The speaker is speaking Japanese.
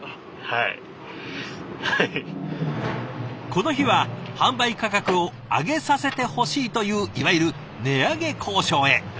この日は販売価格を上げさせてほしいといういわゆる値上げ交渉へ。